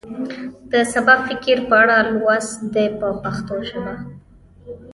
د سبا فکر په اړه لوست دی په پښتو ژبه.